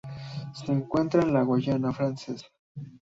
Se encuentra en la Guayana Francesa.